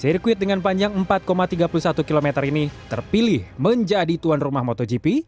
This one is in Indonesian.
sirkuit dengan panjang empat tiga puluh satu km ini terpilih menjadi tuan rumah motogp